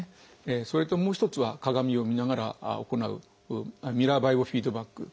それともう一つは鏡を見ながら行う「ミラーバイオフィードバック」。